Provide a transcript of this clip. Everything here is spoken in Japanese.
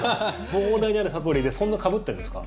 膨大にあるサプリでそんなかぶってるんですか？